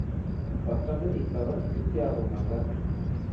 . Bakame, ikaba n’inshuti yabo magara.